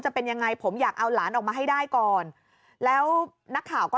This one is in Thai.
จะเป็นยังไงผมอยากเอาหลานออกมาให้ได้ก่อนแล้วนักข่าวก็